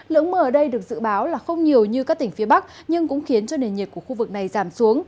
lượng mưa ở đây được dự báo là không nhiều như các tỉnh phía bắc nhưng cũng khiến cho nền nhiệt của khu vực này giảm xuống